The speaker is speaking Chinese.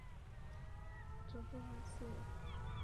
非洲金融共同体法郎最初与法国法郎挂钩。